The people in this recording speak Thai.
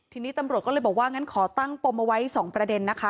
ทีนี้ตำรวจก็เลยบอกว่างั้นขอตั้งปมเอาไว้๒ประเด็นนะคะ